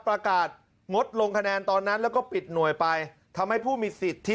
ประกาศงดลงคะแนนตอนนั้นแล้วก็ปิดหน่วยไปทำให้ผู้มีสิทธิ